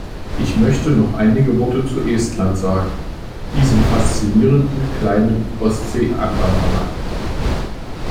Ich möchte noch einige Worte zu Estland sagen, diesem faszinierenden kleinen Ostsee-Anrainerland.